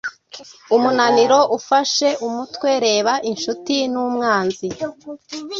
Umunaniro ufashe umutwe-reba inshuti numwanzi